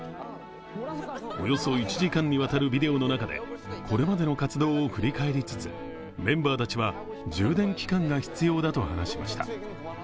およそ１時間にわたるビデオの中でこれまでの活動を振り返りつつメンバーたちは充電期間が必要だと話しました。